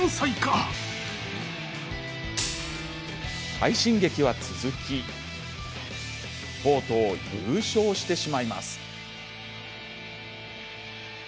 快進撃は続きとうとう優勝してしまいます。